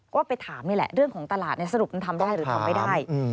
ก็ไปถามนี่แหละเรื่องของตลาดสรุปมันทำได้หรือทำไม่ได้